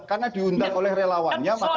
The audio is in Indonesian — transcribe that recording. karena diundang oleh relawannya maka dia